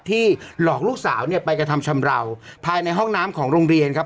หลอกลูกสาวเนี่ยไปกระทำชำราวภายในห้องน้ำของโรงเรียนครับ